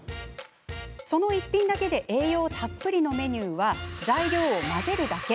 その一品だけで栄養たっぷりのメニューは材料を混ぜるだけ。